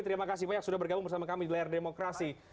terima kasih banyak sudah bergabung bersama kami di layar demokrasi